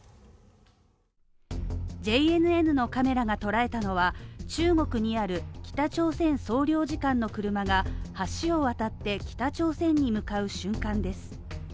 ＪＮＮのカメラが捉えたのは中国にある北朝鮮総領事館の車が橋を渡って北朝鮮に向かう瞬間です。